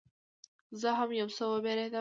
زه هم یو څه وبېرېدم.